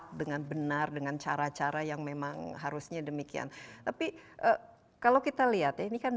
itu dengan benar dengan cara cara yang memang harusnya demikian tapi kalau kita lihat ya ini kan